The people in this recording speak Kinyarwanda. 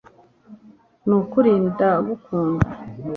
nukuri ndagukunda